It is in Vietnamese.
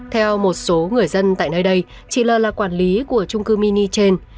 theo một số người dân tại nơi đây chị lờ là quản lý của trung cư mini trên